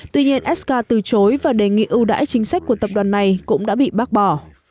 tuy nhiên sk từ chối và đề nghị ưu đãi chính sách của tập đoàn này cũng đã bị bác bỏ